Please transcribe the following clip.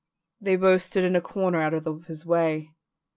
They both stood in a corner out of his way.